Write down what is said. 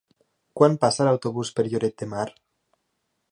Quan passa l'autobús per Lloret de Mar?